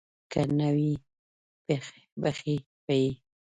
که نه وي بښي به یې.